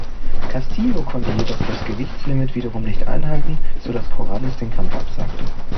Castillo konnte jedoch das Gewichtslimit wiederum nicht einhalten, so dass Corrales den Kampf absagte.